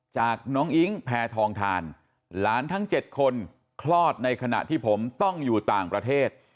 จากน้องอิ๊งแพทองทานหลานทั้ง๗คนคลอดในขณะที่ผมต้องอยู่ต่างประเทศ